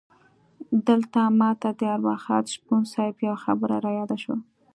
دلته ماته د ارواښاد شپون صیب یوه خبره رایاده شوه.